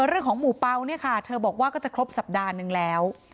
เรื่องของหมู่เปล่าเนี่ยค่ะเธอบอกว่าก็จะครบสัปดาห์นึงแล้ว